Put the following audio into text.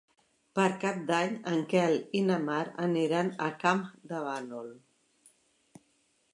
Per Cap d'Any en Quel i na Mar aniran a Campdevànol.